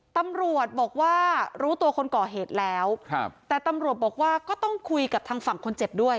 ตำรวจบอกว่ารู้ตัวคนก่อเหตุแล้วครับแต่ตำรวจบอกว่าก็ต้องคุยกับทางฝั่งคนเจ็บด้วย